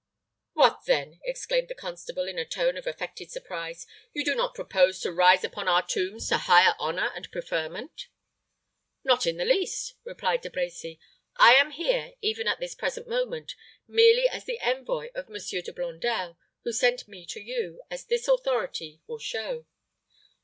"What, then," exclaimed the constable, in a tone of affected surprise, "you do not propose to rise upon our tombs to higher honor and preferment?" "Not in the least," replied De Brecy. "I am here, even at this present moment, merely as the envoy of Monsieur De Blondel, who sent me to you, as this authority will show."